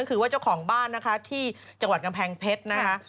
ก็คือว่าเจ้าของบ้านนะคะที่จังหวัดกำแพงเพชรนะคะ